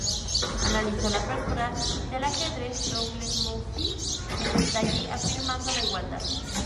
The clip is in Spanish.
Analizó la apertura del ajedrez Double Muzio en detalle, afirmando la igualdad.